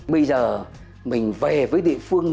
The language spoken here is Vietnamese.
bây giờ mình về với địa phương